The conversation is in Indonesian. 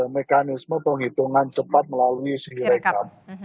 mekanisme penghitungan cepat melalui si rekap